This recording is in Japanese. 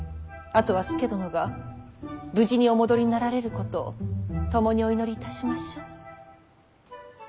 あとは佐殿が無事にお戻りになられることを共にお祈りいたしましょう。